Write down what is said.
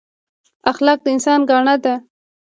اخلاق د انسان ګاڼه ده